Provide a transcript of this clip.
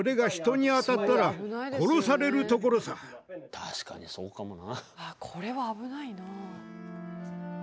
確かにそうかもな。